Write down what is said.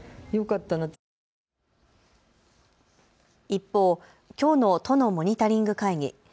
一方、きょうの都のモニタリング会議。